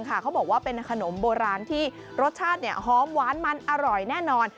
เขาบอกว่าเป็นขนมโบราณที่รสชาติหอมหวานมันอร่อยแน่นอน